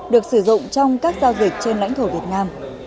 được sử dụng trong các giao dịch trên lãnh thổ việt nam